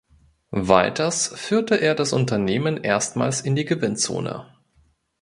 Weiters führte er das Unternehmen erstmals in die Gewinnzone.